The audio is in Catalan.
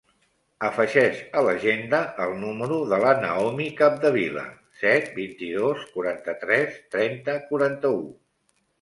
Afegeix a l'agenda el número de la Naomi Capdevila: set, vint-i-dos, quaranta-tres, trenta, quaranta-u.